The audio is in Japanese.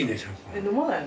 ・飲まないの？